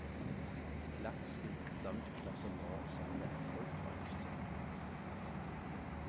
Platz im Gesamtklassement seine erfolgreichste.